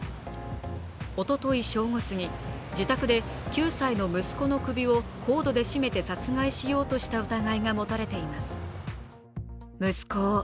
おととい正午過ぎ、自宅で９歳の息子の首をコードで絞めて殺害しようとした疑いが持たれています。